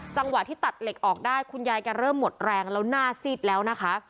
จังหวะที่ตัดเหล็กออกได้คุณยายแกเริ่มหมดแรงแล้วหน้าซีดแล้วนะคะ